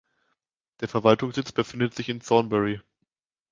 Der Verwaltungssitz befindet sich in Thornbury.